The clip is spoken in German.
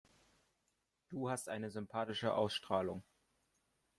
Du hast eine sympathische Ausstrahlung.